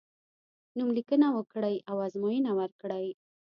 نوم لیکنه وکړی او ازموینه ورکړی.